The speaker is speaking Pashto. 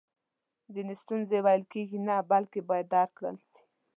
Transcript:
ځینې ستونزی ویل کیږي نه بلکې باید درک کړل سي!